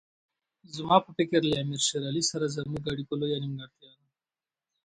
زما په فکر له امیر شېر علي سره زموږ اړیکو لویه نیمګړتیا ده.